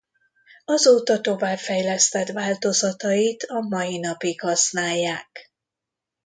Azóta továbbfejlesztett változatait a mai napig használják.